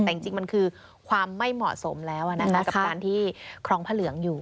แต่จริงมันคือความไม่เหมาะสมแล้วนะคะกับการที่ครองพระเหลืองอยู่